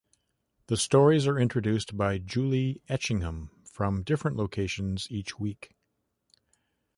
The stories are introduced by Julie Etchingham from different locations each week.